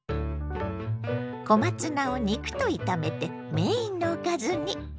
小松菜を肉と炒めてメインのおかずに。